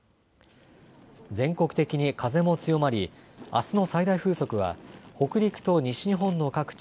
全国的に風も強まりあすの最大風速は北陸と西日本の各地